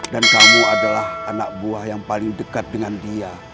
dan kamu adalah anak buah yang paling dekat dengan dia